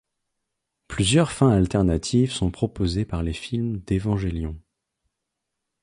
Plusieurs fins alternatives sont proposées par les films d'Evangelion.